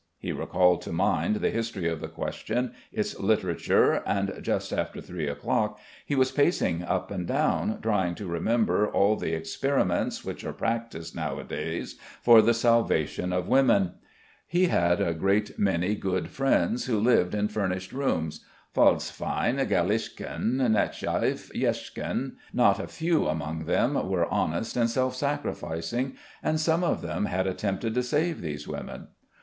He recalled to mind the history of the question, its literature, and just after three o'clock he was pacing up and down, trying to remember all the experiments which are practised nowadays for the salvation of women. He had a great many good friends who lived in furnished rooms, Falzfein, Galyashkin, Nechaiev, Yechkin ... not a few among them were honest and self sacrificing, and some of them had attempted to save these women....